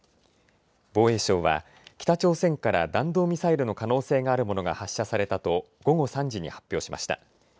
防衛省は北朝鮮から弾道ミサイルの可能性があるものが発射されたと午後３時に発表しました。